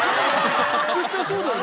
絶対そうだよな